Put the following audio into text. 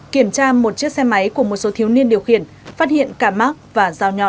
kiểm tra một chiếc xe máy của một số thiếu niên điều khiển phát hiện cả mắc và dao nhọ